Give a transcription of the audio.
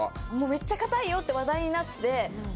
めっちゃ硬いよって話題になって。